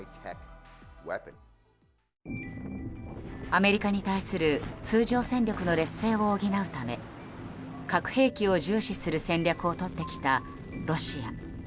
アメリカに対する通常戦力の劣勢を補うため核兵器を重視する戦略を取ってきたロシア。